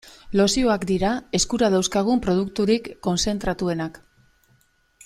Lozioak dira eskura dauzkagun produkturik kontzentratuenak.